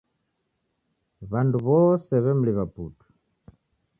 W'andu w'soe w'emliw'a putu.